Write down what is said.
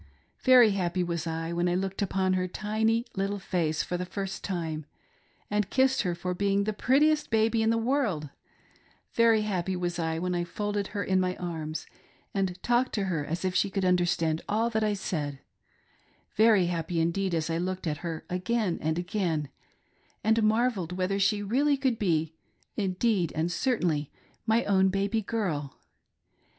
Very happy was I when I looked upon her tiny little face for the first time and kissed her for being the prettiest baby in the world : very happy was I when I folded her in my arms and talked to her as if she could un derstand all that I said — ^very happy indeed, as I looked at her again and again, and marvelled whether she really could be indeed and certainly my own baby girl.